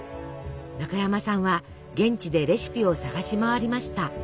中山さんは現地でレシピを探し回りました。